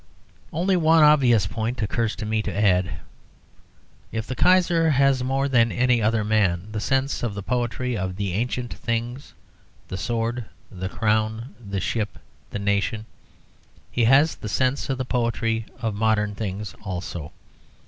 Only one obvious point occurs to me to add. If the Kaiser has more than any other man the sense of the poetry of the ancient things, the sword, the crown, the ship, the nation, he has the sense of the poetry of modern things also.